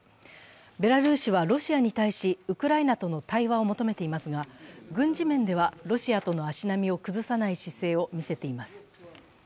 ベラルーシはロシアに対しウクライナとの対話を求めていますが、軍事面ではロシアとの足並みを崩さない姿勢を見せています。